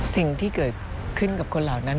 สิ่งที่เกิดขึ้นกับคนเหล่านั้น